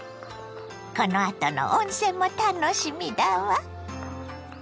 このあとの温泉も楽しみだわ。